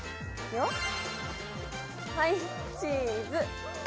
はい、チーズ。